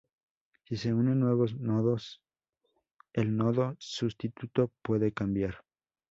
Si se unen nuevos nodos, el nodo sustituto puede cambiar.